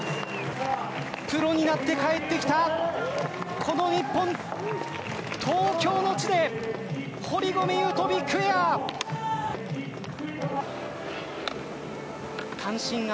プロになって帰ってきたこの日本、東京の地で堀米雄斗、ビッグエア！